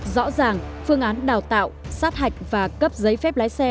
rõ ràng phương án đào tạo sát hạch và cấp giấy phép lái xe